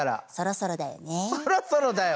そろそろだよ。